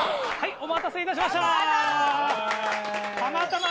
お待たせ致しました。